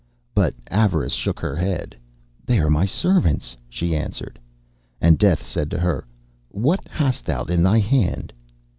But Avarice shook her head. 'They are my servants,' she answered. And Death said to her, 'What hast thou in thy hand?